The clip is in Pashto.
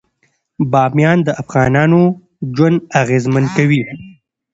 بامیان د افغانانو ژوند اغېزمن کوي.